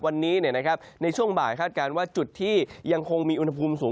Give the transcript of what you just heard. วันนี้ในช่วงบ่ายคาดการณ์ว่าจุดที่ยังคงมีอุณหภูมิสูง